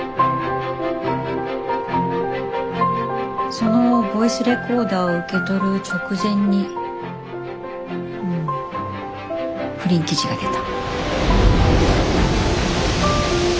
そのボイスレコーダーを受け取る直前に不倫記事が出た。